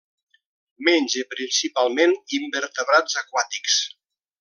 Menja principalment invertebrats aquàtics.